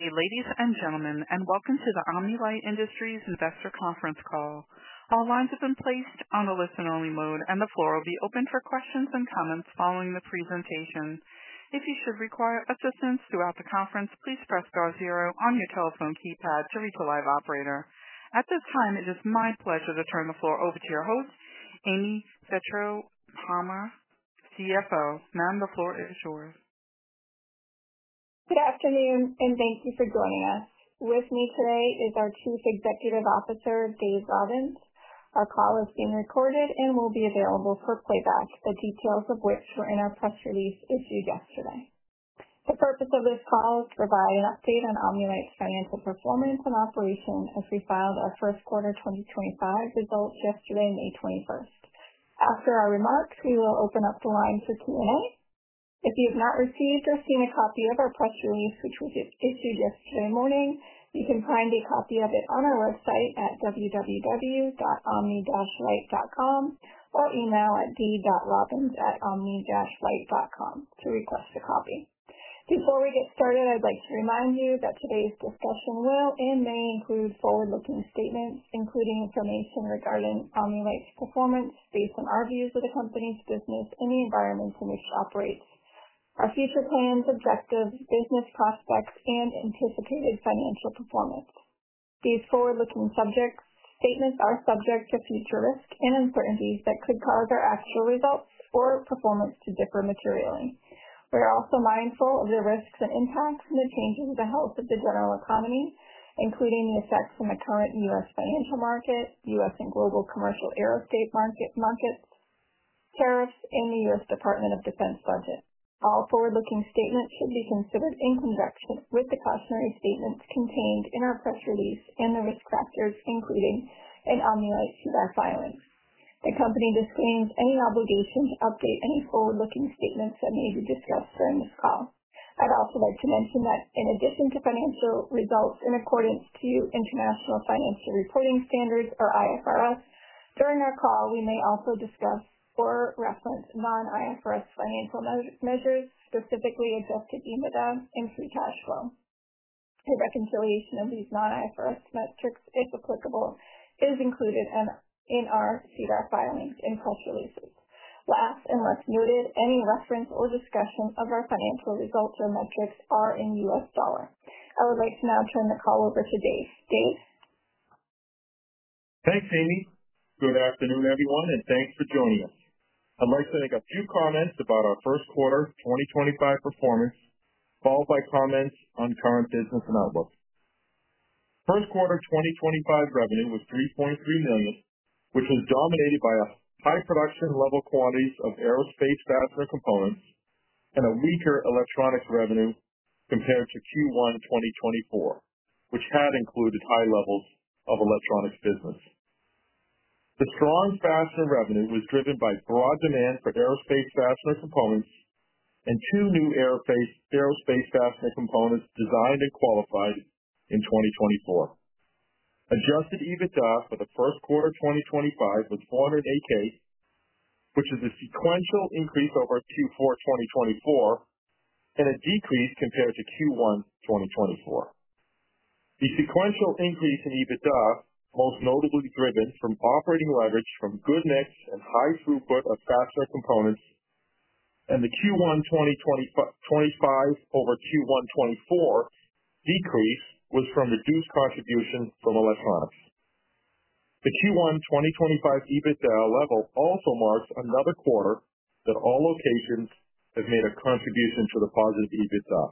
Ladies and gentlemen, and welcome to the Omni Lite Industries Investor Conference Call. All lines have been placed on a listen-only mode, and the floor will be open for questions and comments following the presentation. If you should require assistance throughout the conference, please press star zero on your telephone keypad to reach a live operator. At this time, it is my pleasure to turn the floor over to your host, Amy Vetrano-Palmer, CFO. Ma'am, the floor is yours. Good afternoon, and thank you for joining us. With me today is our Chief Executive Officer, Dave Robbins. Our call is being recorded and will be available for playback, the details of which were in our press release issued yesterday. The purpose of this call is to provide an update on Omni Lite's financial performance and operation as we filed our first quarter 2025 results yesterday, May 21st. After our remarks, we will open up the line for Q&A. If you have not received or seen a copy of our press release, which was issued yesterday morning, you can find a copy of it on our website at www.omnitelite.com or email at d.robbins@omnitelite.com to request a copy. Before we get started, I'd like to remind you that today's discussion will and may include forward-looking statements, including information regarding Omni Lite's performance based on our views of the company's business and the environments in which it operates, our future plans, objectives, business prospects, and anticipated financial performance. These forward-looking statements are subject to future risks and uncertainties that could cause our actual results or performance to differ materially. We are also mindful of the risks and impacts and the changes in the health of the general economy, including the effects on the current U.S. financial market, U.S. and global commercial aerospace markets, tariffs, and the U.S. Department of Defense budget. All forward-looking statements should be considered in conjunction with the cautionary statements contained in our press release and the risk factors, including an Omni Lite SEDAR filing. The company disclaims any obligation to update any forward-looking statements that may be discussed during this call. I'd also like to mention that in addition to financial results in accordance to International Financial Reporting Standards, or IFRS, during our call, we may also discuss or reference non-IFRS financial measures, specifically adjusted EBITDA and free cash flow. The reconciliation of these non-IFRS metrics, if applicable, is included in our SEDAR filing and press releases. Last and last noted, any reference or discussion of our financial results or metrics is in U.S. dollars. I would like to now turn the call over to Dave. Dave. Thanks, Amy. Good afternoon, everyone, and thanks for joining us. I'd like to make a few comments about our first quarter 2025 performance, followed by comments on current business and outlook. First quarter 2025 revenue was $3.3 million, which was dominated by high production level quantities of aerospace fastener components and a weaker electronics revenue compared to Q1 2024, which had included high levels of electronics business. The strong fastener revenue was driven by broad demand for aerospace fastener components and two new aerospace fastener components designed and qualified in 2024. Adjusted EBITDA for the first quarter 2025 was $408,000, which is a sequential increase over Q4 2024 and a decrease compared to Q1 2024. The sequential increase in EBITDA, most notably driven from operating leverage from good mix and high throughput of fastener components, and the Q1 2025 over Q1 2024 decrease was from reduced contribution from electronics. The Q1 2025 EBITDA level also marks another quarter that all locations have made a contribution to the positive EBITDA.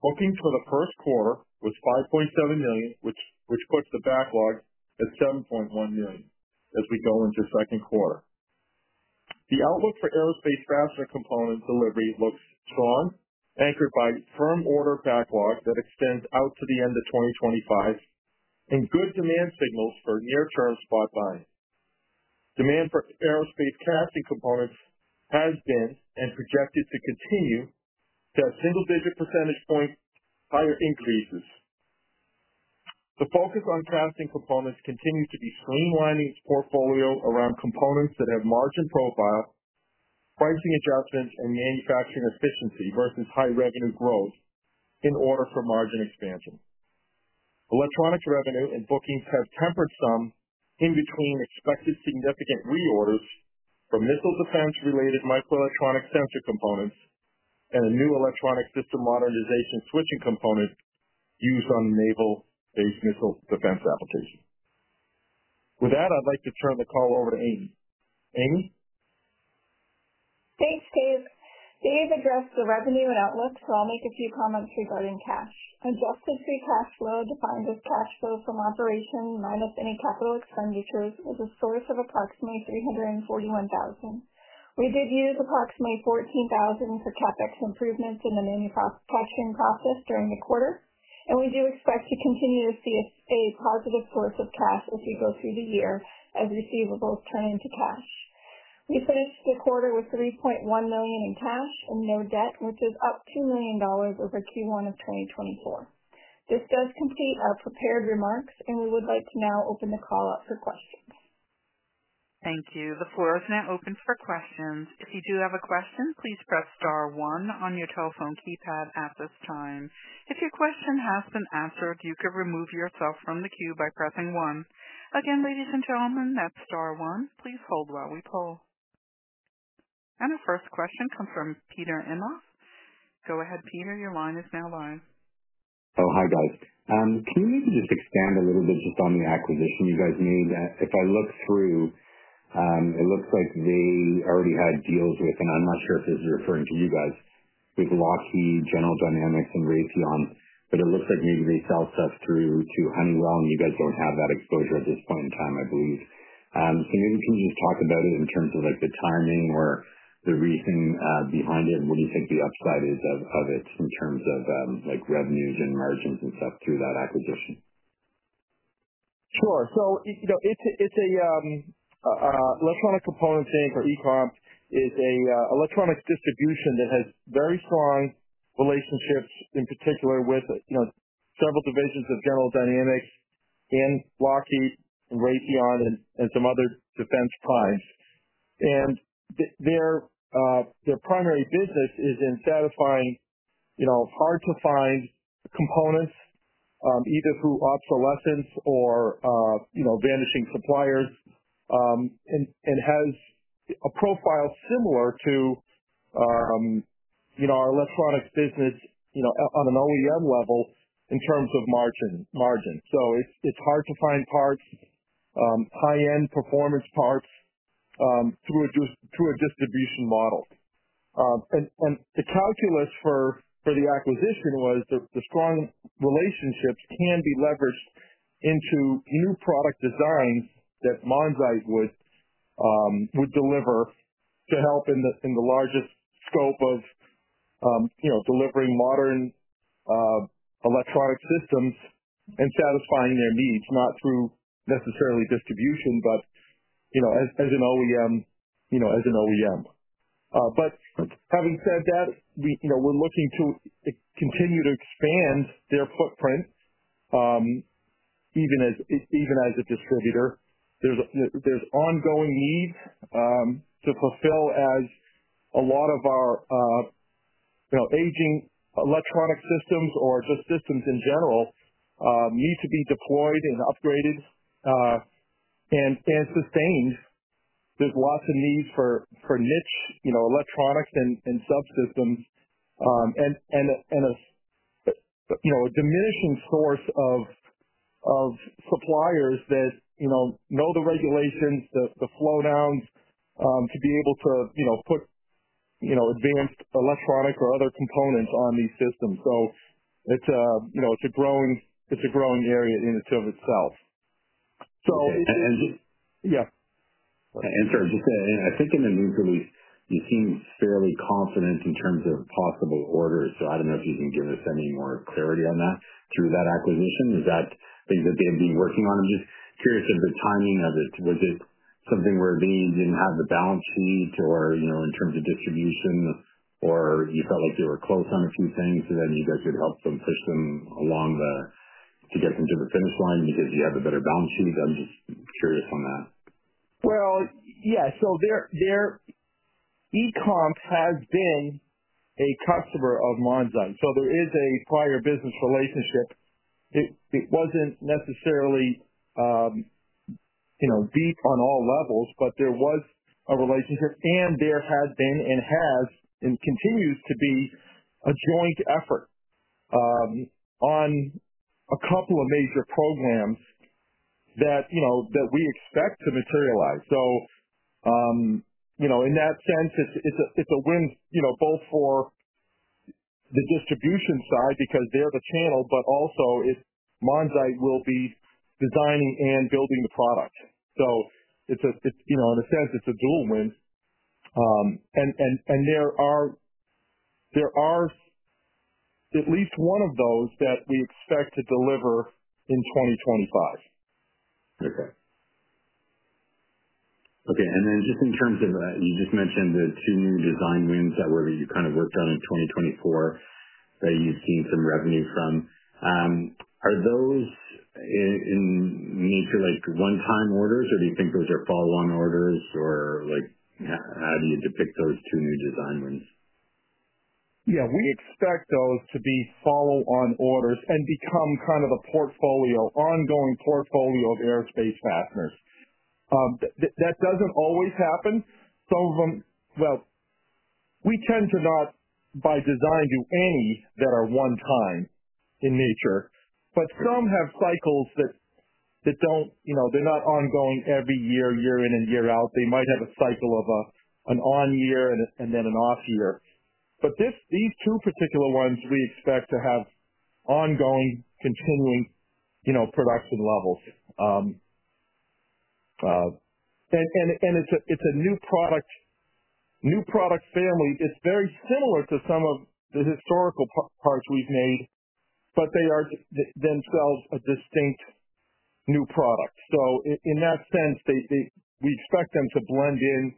Bookings for the first quarter was $5.7 million, which puts the backlog at $7.1 million as we go into second quarter. The outlook for aerospace fastener component delivery looks strong, anchored by firm order backlog that extends out to the end of 2025 and good demand signals for near-term spot buying. Demand for aerospace casting components has been and projected to continue to have single-digit percentage point higher increases. The focus on casting components continues to be streamlining its portfolio around components that have margin profile, pricing adjustments, and manufacturing efficiency versus high revenue growth in order for margin expansion. Electronics revenue and bookings have tempered some in between expected significant reorders for missile defense-related microelectronic sensor components and a new electronic system modernization switching component used on naval-based missile defense applications. With that, I'd like to turn the call over to Amy. Amy? Thanks, Dave. Dave addressed the revenue and outlook, so I'll make a few comments regarding cash. Adjusted free cash flow, defined as cash flow from operations minus any capital expenditures, is a source of approximately $341,000. We did use approximately $14,000 for CapEx improvements in the manufacturing process during the quarter, and we do expect to continue to see a positive source of cash as we go through the year as receivables turn into cash. We finished the quarter with $3.1 million in cash and no debt, which is up $2 million over Q1 of 2024. This does complete our prepared remarks, and we would like to now open the call up for questions. Thank you. The floor is now open for questions. If you do have a question, please press star one on your telephone keypad at this time. If your question has been answered, you could remove yourself from the queue by pressing one. Again, ladies and gentlemen, that's star one. Please hold while we pull. Our first question comes from Peter Imhoff. Go ahead, Peter. Your line is now live. Oh, hi, guys. Can you maybe just expand a little bit just on the acquisition you guys made? If I look through, it looks like they already had deals with, and I'm not sure if this is referring to you guys, with Lockheed, General Dynamics, and Raytheon, but it looks like maybe they sell stuff through to Honeywell, and you guys don't have that exposure at this point in time, I believe. Can you just talk about it in terms of the timing or the reasoning behind it? What do you think the upside is of it in terms of revenues and margins and stuff through that acquisition? Sure. So it's an electronic component thing for EComp. It's an electronics distribution that has very strong relationships, in particular, with several divisions of General Dynamics and Lockheed and Raytheon and some other defense primes. Their primary business is in satisfying hard-to-find components, either through obsolescence or vanishing suppliers, and has a profile similar to our electronics business on an OEM level in terms of margin. It's hard to find parts, high-end performance parts, through a distribution model. The calculus for the acquisition was the strong relationships can be leveraged into new product designs that Omni Lite would deliver to help in the largest scope of delivering modern electronic systems and satisfying their needs, not through necessarily distribution, but as an OEM, you know. Having said that, we're looking to continue to expand their footprint even as a distributor. There's ongoing needs to fulfill as a lot of our aging electronic systems or just systems in general need to be deployed and upgraded and sustained. There's lots of needs for niche electronics and subsystems and a diminishing source of suppliers that know the regulations, the flow downs to be able to put advanced electronic or other components on these systems. It is a growing area in and of itself. And. Yeah. Sorry, just to add in, I think in the news release, you seem fairly confident in terms of possible orders. I do not know if you can give us any more clarity on that. Through that acquisition? Is that things that they have been working on? I am just curious of the timing of it. Was it something where they did not have the balance sheet or in terms of distribution, or you felt like they were close on a few things, and then you guys would help them push them along to get them to the finish line because you have a better balance sheet? I am just curious on that. ECOMP has been a customer of Monzite. There is a prior business relationship. It was not necessarily deep on all levels, but there was a relationship, and there had been and has and continues to be a joint effort on a couple of major programs that we expect to materialize. In that sense, it is a win both for the distribution side because they are the channel, but also Monzite will be designing and building the product. In a sense, it is a dual win. There are at least one of those that we expect to deliver in 2025. Okay. Okay. In terms of, you just mentioned the two new design wins that you kind of worked on in 2024 that you've seen some revenue from. Are those in nature like one-time orders, or do you think those are follow-on orders, or how do you depict those two new design wins? Yeah. We expect those to be follow-on orders and become kind of a portfolio, ongoing portfolio of aerospace fasteners. That does not always happen. Some of them, well, we tend to not by design do any that are one-time in nature, but some have cycles that do not—they are not ongoing every year, year in and year out. They might have a cycle of an on-year and then an off-year. These two particular ones, we expect to have ongoing, continuing production levels. It is a new product family. It is very similar to some of the historical parts we have made, but they are themselves a distinct new product. In that sense, we expect them to blend in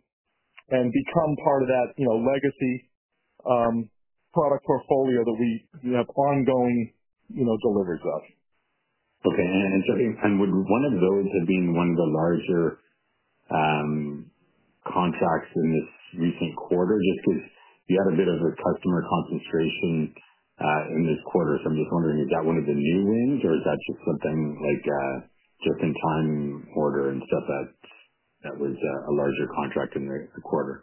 and become part of that legacy product portfolio that we have ongoing deliveries of. Okay. Would one of those have been one of the larger contracts in this recent quarter? Just because you had a bit of a customer concentration in this quarter. I'm just wondering, is that one of the new wins, or is that just something like just in time order and stuff that was a larger contract in the quarter?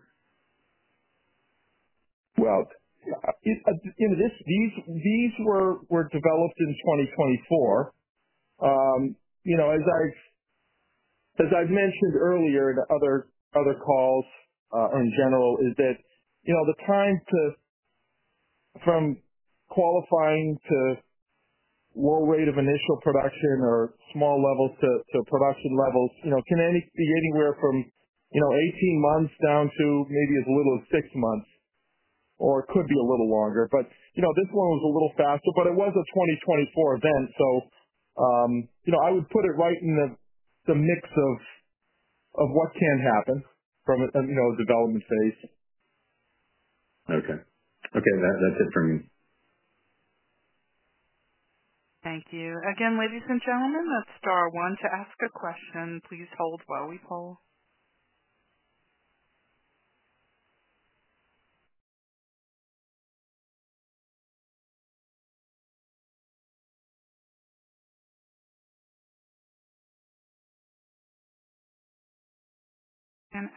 These were developed in 2024. As I've mentioned earlier in other calls in general, the time from qualifying to low rate of initial production or small levels to production levels can be anywhere from 18 months down to maybe as little as six months, or it could be a little longer. This one was a little faster, but it was a 2024 event. I would put it right in the mix of what can happen from a development phase. Okay. Okay. That's it from me. Thank you. Again, ladies and gentlemen, that's star one to ask a question. Please hold while we poll.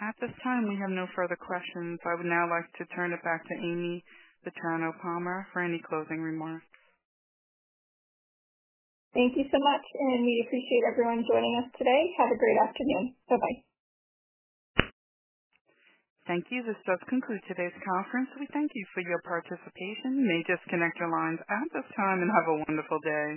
At this time, we have no further questions. I would now like to turn it back to Amy Vetrano-Palmer for any closing remarks. Thank you so much, and we appreciate everyone joining us today. Have a great afternoon. Bye-bye. Thank you. This does conclude today's conference. We thank you for your participation. You may disconnect your lines at this time and have a wonderful day.